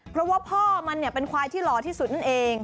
เพราะว่าพ่อมันเป็นควายที่หล่อที่สุดนั่นเอง